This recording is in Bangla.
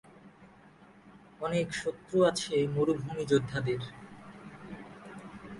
অনেক শত্রু আছে মরুভূমি যোদ্ধাদের।